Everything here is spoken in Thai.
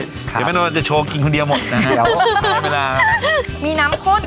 ค่ะเดี๋ยวไม่รู้ว่าจะโชว์กินคนเดียวหมดนะแล้วพลายเวลามีน้ำโค้ด